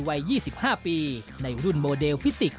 วัย๒๕ปีในรุ่นโมเดลฟิสิกส